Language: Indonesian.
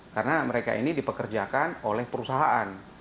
karena mereka ini dipekerjakan oleh perusahaan